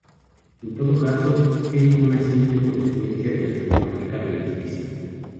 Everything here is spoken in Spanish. En todo caso, es una simple consecuencia de la cinemática relativista.